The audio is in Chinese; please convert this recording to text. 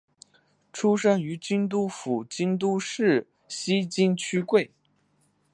出身于京都府京都市西京区桂。